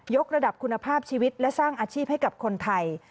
กระดับคุณภาพชีวิตและสร้างอาชีพให้กับคนไทย